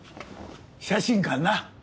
写真館な。